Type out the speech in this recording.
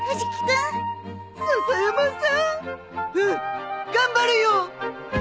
うん頑張るよ！